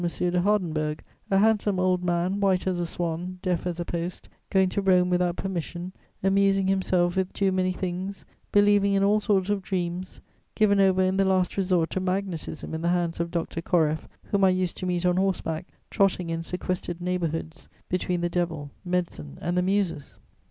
de Hardenberg, a handsome old man, white as a swan, deaf as a post, going to Rome without permission, amusing himself with too many things, believing in all sorts of dreams, given over in the last resort to magnetism in the hands of Dr. Koreff, whom I used to meet on horseback, trotting in sequestered neighbourhoods between the devil, medicine and the Muses?